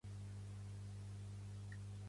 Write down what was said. Manifestació «Catalunya, nou estat d'Europa»